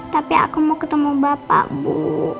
tapi aku mau ketemu bapak bu